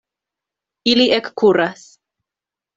Ili ekkuras.